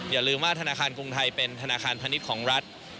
อย่าลืมว่าธนาคารกรุงไทยเป็นธนาคารพาณิชย์ของรัฐ